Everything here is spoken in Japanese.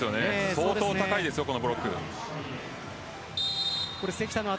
相当高いです、このブロック。